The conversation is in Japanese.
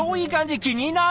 気になる。